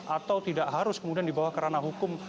atau tidak harus kemudian dibawa ke ranah hukum